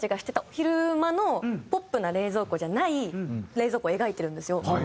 昼間のポップな冷蔵庫じゃない冷蔵庫を描いてるんですよ。